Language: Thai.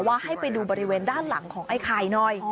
ให้ไปดูบริเวณด้านหลังของไอ้ไข่หน่อย